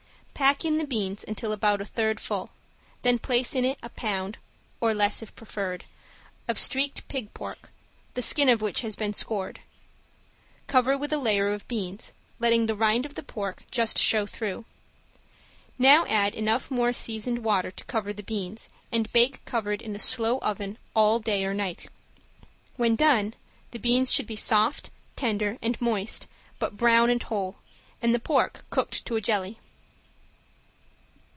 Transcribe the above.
Pack in the beans until about a third full, then place in it a pound (or less, if preferred) of streaked pig pork, the skin of which has been scored. Cover with a layer of beans, letting the rind of the pork just show through. Now add enough more seasoned hot water to cover the beans, and bake covered in a slow oven all day or night. When done the beans should be soft, tender and moist but brown and whole, and the pork cooked to a jelly.